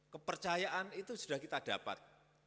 kepercayaan itu sudah kita dapat